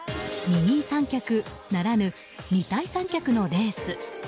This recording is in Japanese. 二人三脚ならぬ二体三脚のレース。